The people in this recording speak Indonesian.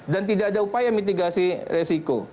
dan tidak ada upaya mitigasi resiko